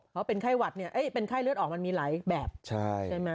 เพราะเป็นไข้หวัดเนี่ยเป็นไข้เลือดออกมันมีหลายแบบใช่ไหม